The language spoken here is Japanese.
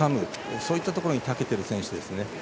そういったところにたけている選手です。